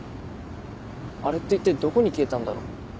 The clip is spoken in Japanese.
あれって一体どこに消えたんだろう。